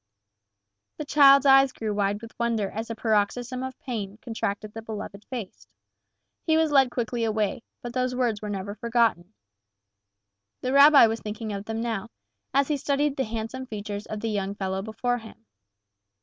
The child's eyes grew wide with wonder as a paroxysm of pain contracted the beloved face. He was led quickly away, but those words were never forgotten. The rabbi was thinking of them now as he studied the handsome features of the young fellow before him.